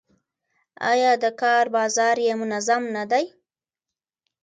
آیا د کار بازار یې منظم نه دی؟